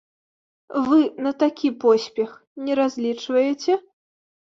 Вы на такі поспех не разлічваеце?